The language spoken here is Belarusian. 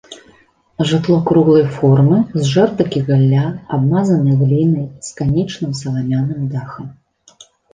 Жытло круглай формы, з жэрдак і галля, абмазанай глінай, з канічным саламяным дахам.